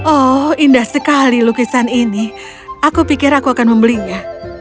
oh indah sekali lukisan ini aku pikir aku akan membelinya